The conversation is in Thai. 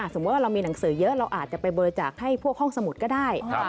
สมมุติว่าเรามีหนังสือเยอะเราอาจจะไปบริจาคให้พวกห้องสมุดก็ได้